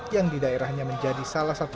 yang di daerahnya menjadi salah satu